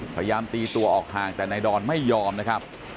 พยายามตีตัวออกห่างแต่นายดอนไม่ยอมนะครับ